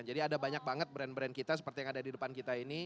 jadi ada banyak banget brand brand kita seperti yang ada di depan kita ini